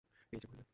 এই যে, মহিলা।